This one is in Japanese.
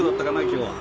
今日は。